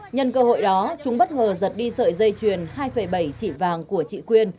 nhân cơ hội đó chúng bất ngờ giật đi sợi dây chuyền hai bảy trị vàng của chị quyên